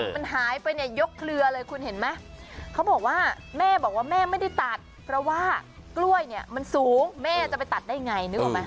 มันหายไปเนี่ยยกเครือเลยคุณเห็นไหมเขาบอกว่าแม่บอกว่าแม่ไม่ได้ตัดเพราะว่ากล้วยเนี่ยมันสูงแม่จะไปตัดได้ไงนึกออกไหม